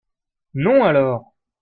non alors !